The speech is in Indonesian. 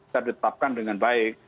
kita tetapkan dengan baik